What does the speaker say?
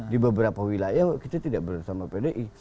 di beberapa wilayah kita tidak bersama pdi